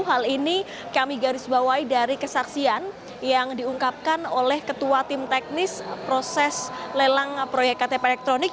hal ini kami garis bawahi dari kesaksian yang diungkapkan oleh ketua tim teknis proses lelang proyek ktp elektronik